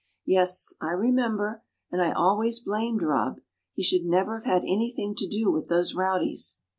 "Yes, I remember, and I always blamed Rob. He should never have had anything to do with those rowdies."